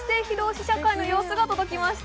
試写会の様子が届きました。